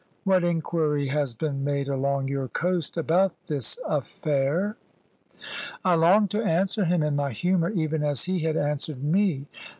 What inquiry has been made along your coast about this affair?" I longed to answer him in my humour, even as he had answered me.